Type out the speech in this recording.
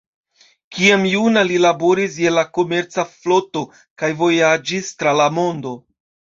Kiam juna, li laboris je la komerca floto kaj vojaĝis tra la mondo.